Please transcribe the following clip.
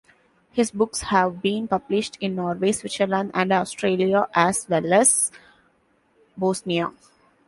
His books have been published in Norway, Switzerland and Australia as well as Bosnia.